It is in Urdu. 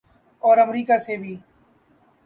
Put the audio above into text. اور امریکہ سے بھی۔